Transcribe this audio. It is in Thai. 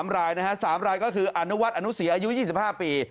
๓รายนะฮะ๓รายก็คืออนุวัฒนอนุสีอายุ๒๕ปี